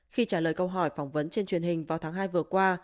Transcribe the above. khi trả lời câu hỏi phỏng vấn trên truyền hình vào tháng hai vừa qua